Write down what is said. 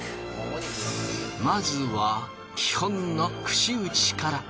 まずは基本の串打ちから。